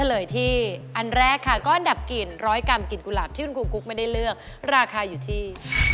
เลยที่อันแรกค่ะก้อนดับกลิ่น๑๐๐กรัมกลิ่นกุหลาบที่คุณครูกุ๊กไม่ได้เลือกราคาอยู่ที่